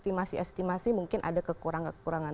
untuk menghitung estimasi mungkin ada kekurangan kekurangan